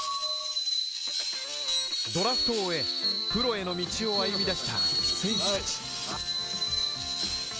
ドラフトを終え、プロへの道を歩み出した選手たち。